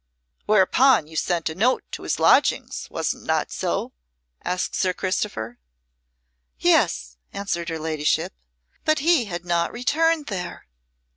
"Whereupon you sent a note to his lodgings, was't not so?" asked Sir Christopher. "Yes," answered her ladyship, "but he had not returned there."